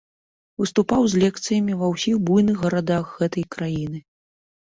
Выступаў з лекцыямі ва ўсіх буйных гарадах гэтай краіны.